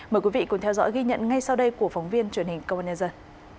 mời quý vị cùng theo dõi ghi nhận ngay sau đây của phóng viên truyền hình công an nhân dân